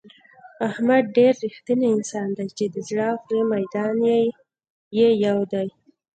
احمد ډېر رښتینی انسان دی د زړه او خولې میدان یې یو دی.